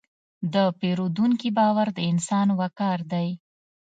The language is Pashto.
د پیرودونکي باور د انسان وقار دی.